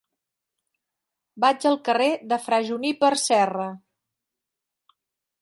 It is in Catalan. Vaig al carrer de Fra Juníper Serra.